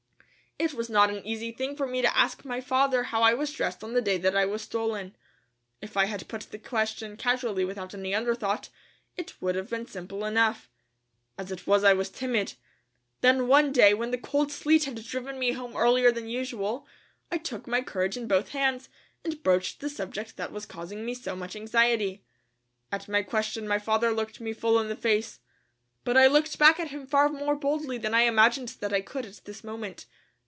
It was not an easy thing for me to ask my father how I was dressed on the day that I was stolen. If I had put the question casually without any underthought, it would have been simple enough. As it was I was timid. Then one day when the cold sleet had driven me home earlier than usual, I took my courage in both hands, and broached the subject that was causing me so much anxiety. At my question my father looked me full in the face. But I looked back at him far more boldly than I imagined that I could at this moment.